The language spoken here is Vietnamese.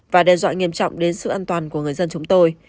và đe dọa nghiêm trọng đến sự an toàn của người dân chúng tôi